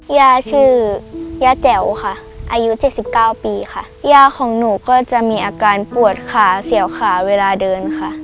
ย่าชื่อย่าแจ๋วค่ะอายุเจ็ดสิบเก้าปีค่ะย่าของหนูก็จะมีอาการปวดขาเสี่ยวขาเวลาเดินค่ะ